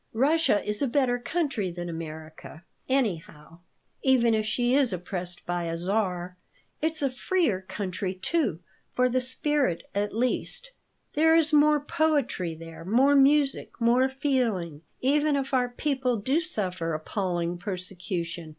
Russia is a better country than America, anyhow, even if she is oppressed by a czar. It's a freer country, too for the spirit, at least. There is more poetry there, more music, more feeling, even if our people do suffer appalling persecution.